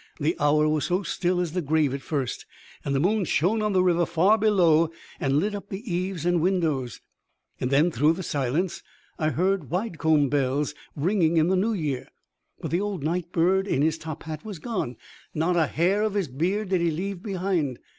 The hour was so still as the grave at first, and the moon shone on the river far below and lit up the eaves and windows; and then, through the silence, I heard Widecombe bells ringing in the New Year. But the old night bird in his top hat was gone. Not a hair of his beard did he leave behind.